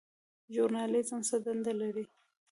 ژورنالیزم څه دنده لري؟